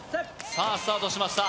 さあスタートしました